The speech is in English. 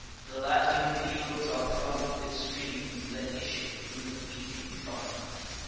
The Latian fields are drunk With streams that issue from the bleeding trunk.